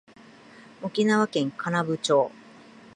沖縄県金武町